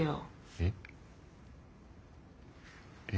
えっ？え。